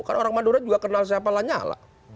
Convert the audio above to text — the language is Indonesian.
karena orang madura juga kenal siapa lanyala